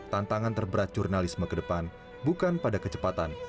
tantangan terberat jurnalisme kedepan bukan pada kecepatan